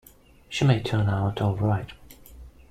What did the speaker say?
She may turn out all right.